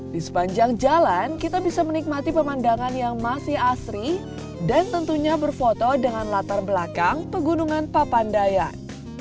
di sepanjang jalan kita bisa menikmati pemandangan yang masih asri dan tentunya berfoto dengan latar belakang pegunungan papandayan